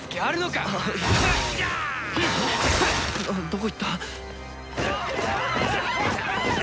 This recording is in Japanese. どこ行った？